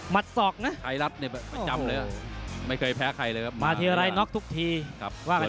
มัดสอกนะโอ้โหไม่เคยแพ้ใครเลยครับมาเทียรายน็อกทุกทีว่าอันอย่างนั้น